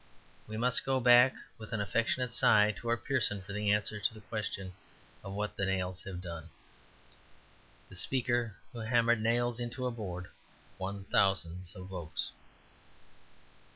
We must go back (with an affectionate sigh) to our Pearson for the answer to the question of what the nails have done: "The speaker who hammered nails into a board won thousands of votes."